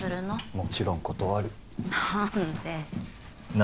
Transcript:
もちろん断る何で？